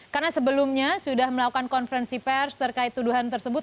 karena sebelumnya sudah melakukan konferensi pers terkait tuduhan tersebut